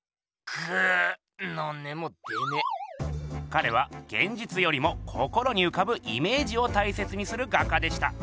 かれはげんじつよりも心にうかぶイメージを大切にする画家でした。